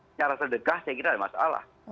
secara sedekah saya kira ada masalah